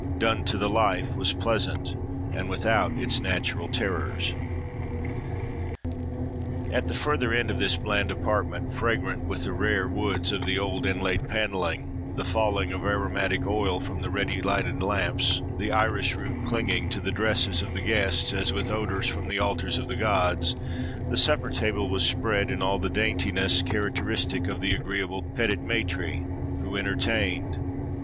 done to the life, was pleasant, and without its natural terrors. At the further end of this bland apartment, fragrant with the rare woods of the old inlaid panelling, the falling of aromatic oil from the ready lighted lamps, the iris root clinging to the dresses of the guests, as with odours from the altars of the gods, the supper table was spread, in all the daintiness characteristic of the agreeable petit maître, who entertained.